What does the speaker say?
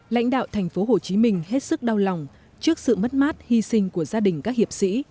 lãnh đạo tp hcm hết sức đau lòng trước sự mất mát hy sinh của gia đình các hiệp sĩ